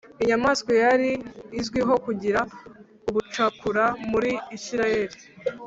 inyamaswa yari izwiho kugira ubucakura muri Isirayeli